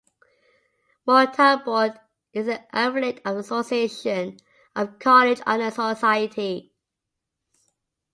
Mortar Board is an affiliate of the Association of College Honor Societies.